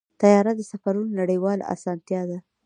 طیاره د سفرونو نړیواله اسانتیا ده.